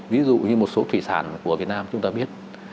ví dụ như một số thủy sản của việt nam chúng ta biết